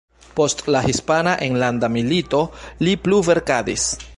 Post la Hispana Enlanda Milito li plu verkadis.